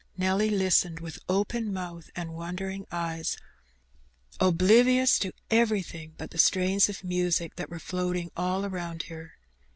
Nelly listened with open mouth and wondering eyes, obli nons to everything but the strains of mnsic that were floating all around her.